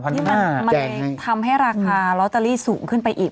ที่มันเลยทำให้ราคาลอตเตอรี่สูงขึ้นไปอีก